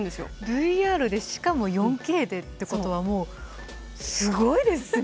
ＶＲでしかも４Ｋでってことはもう、すごいですね。